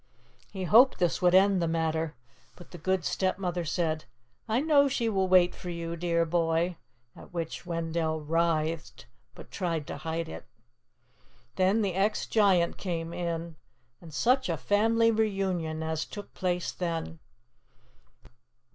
He hoped this would end the matter, but the Good Stepmother said, "I know she will wait for you, dear boy;" at which Wendell writhed, but tried to hide it. Then the ex giant came in, and such a family reunion as took place then!